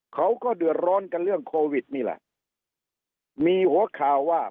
เขาก็เดือดร้อนกันเรื่องโควิดนี่แหละมีหัวข่าวว่า